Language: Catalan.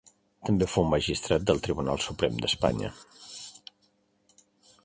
També fou magistrat del Tribunal Suprem d'Espanya.